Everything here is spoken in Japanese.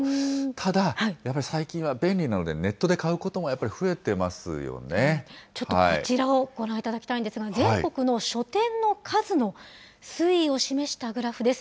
ただ、やっぱり最近は便利なので、ネットで買うこともやっぱり増えちょっとこちらをご覧いただきたいんですが、全国の書店の数の推移を示したグラフです。